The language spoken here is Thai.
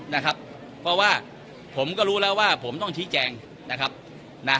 นะครับเพราะว่าผมก็รู้แล้วว่าผมต้องชี้แจงนะครับนะ